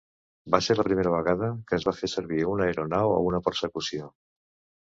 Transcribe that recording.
Va ser la primera vegada que es va fer servir una aeronau a una persecució.